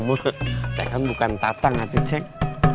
saya kan bukan tata ngerti ceng